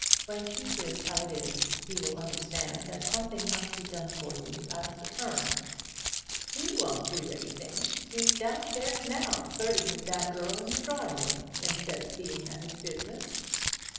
When he hears how it is, he will understand that something must be done for you out of the firm." "He won't do anything. He's downstairs now, flirting with that girl in the drawing room, instead of being at his business."